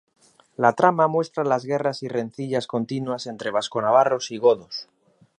La trama muestra las guerras y rencillas continuas entre vasco-navarros y godos.